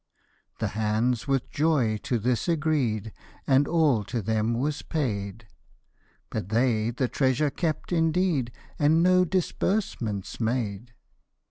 The hands with joy to this agreed, And all to th^m was paid ; But they the treasure kept indeed, And no disbursements made.